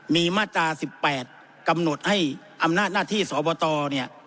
มีมาตรา๑๘กำหนดให้อำนาจหน้าที่สบตเนี่ย